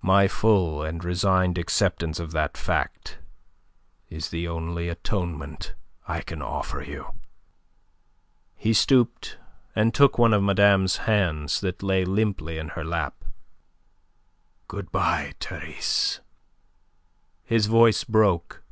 My full and resigned acceptance of that fact is the only atonement I can offer you." He stooped and took one of madame's hands that lay limply in her lap. "Good bye, Therese!" His voice broke.